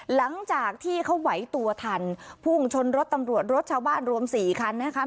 หลังจากที่เขาไหวตัวทันพุ่งชนรถตำรวจรถชาวบ้านรวมสี่คันนะคะ